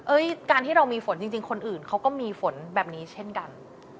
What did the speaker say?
การที่เรามีฝนจริงคนอื่นเขาก็มีฝนแบบนี้เช่นกัน